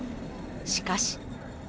しかし。